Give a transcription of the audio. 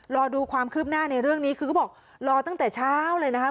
รอดูความคืบหน้าในเรื่องนี้คือเขาบอกรอตั้งแต่เช้าเลยนะคะ